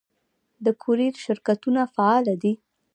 د کوریر شرکتونه فعال دي؟